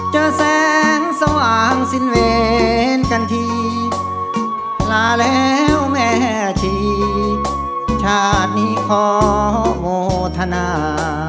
เจอแสงสว่างสิ้นเวรกันทีลาแล้วแม่ชีชาตินี้ขอโมทนา